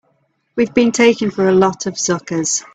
We've been taken for a lot of suckers!